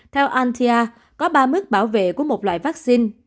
theo antia có ba mức bảo vệ của một loại vaccine